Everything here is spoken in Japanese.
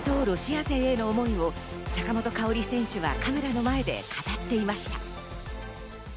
ロシア勢への思いを坂本花織選手がカメラの前で語っていました。